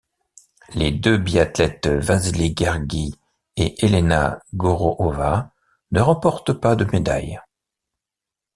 Les deux biathlètes Vasily Gherghy et Elena Gorohova ne remportent pas de médaille.